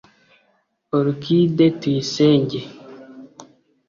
Orchide Tuyisenge